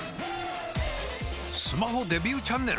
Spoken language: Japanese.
スマホデビューチャンネル！？